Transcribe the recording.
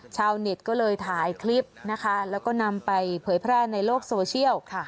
ชาวเน็ตก็เลยถ่ายคลิปนะคะแล้วก็นำไปเผยแพร่ในโลกโซเชียล